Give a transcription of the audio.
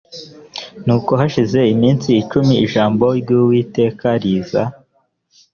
nuko hashize iminsi cumi ijambo ry uwiteka riza